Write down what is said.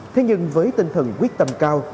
thế nhưng với tinh thần quyết tâm cao